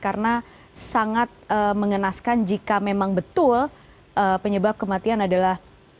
karena sangat mengenaskan jika memang betul penyebab kematian adalah